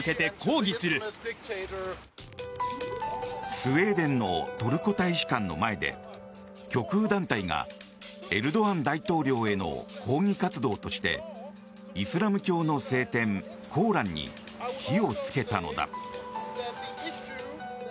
スウェーデンのトルコ大使館の前で極右団体がエルドアン大統領への抗議活動としてイスラム教の聖典コーランに火を付けたのだ。